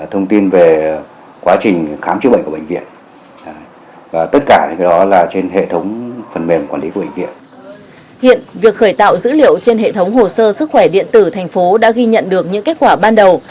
hiện việc khởi tạo dữ liệu trên hệ thống hồ sơ sức khỏe điện tử thành phố đã ghi nhận được những kết quả ban đầu